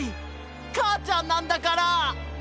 かあちゃんなんだから！